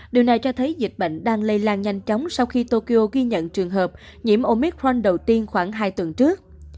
điều này cho thấy dịch bệnh đang lây lan nhanh chóng sau khi tokyo ghi nhận trường hợp nhiễm omic fron đầu tiên khoảng hai tuần trước